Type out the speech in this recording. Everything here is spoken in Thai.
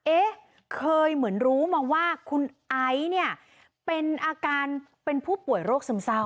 เอ๊ะเคยเหมือนรู้มาว่าคุณไอ้เป็นผู้ป่วยโรคซึมเศร้า